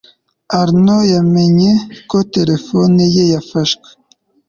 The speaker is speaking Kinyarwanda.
arnaud yamenye ko terefone ye yafashwe